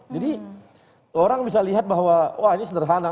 jadi orang bisa lihat bahwa ini sederhana